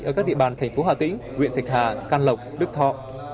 ở các địa bàn thành phố hà tĩnh huyện thạch hà can lộc đức thọ